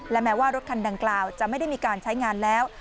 แม้ว่ารถคันดังกล่าวจะไม่ได้มีการใช้งานแล้ว